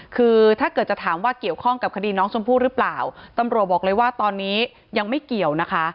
คือถ้าเกิดจะถามว่าเกี่ยวข้องกับคดีน้องชมพู่หรือเปล่าตำรวจบอกเลยว่าตอนนี้ยังไม่เกี่ยวนะคะ